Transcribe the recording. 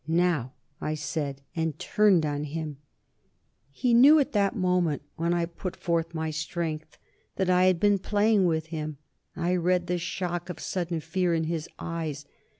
"Now!" I said, and turned on him. He knew, at that moment when I put forth my strength, that I had been playing with him. I read the shock of sudden fear in his eyes.